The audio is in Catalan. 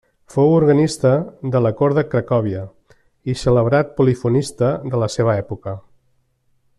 Fou organista de la cort de Cracòvia i celebrat polifonista de la seva època.